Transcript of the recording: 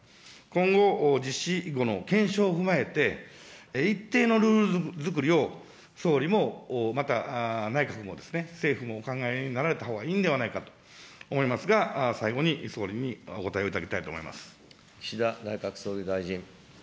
今後、実施後の検証を踏まえて、一定のルール作りを総理も、また内閣も、政府もお考えになられたほうがいいんではないかと思いますが、最後に総理にお答えをいただきたいと思います。